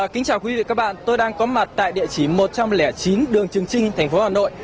kính chào quý vị và các bạn tôi đang có mặt tại địa chỉ một trăm linh chín đường trường trinh thành phố hà nội